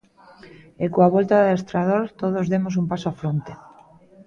E coa volta do adestrador todos demos un paso á fronte.